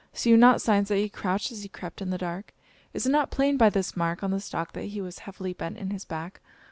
See you not signs that he crouched as he crept in the dark? Is it not plain by this mark on the stalk that he was heavily bent in his hack?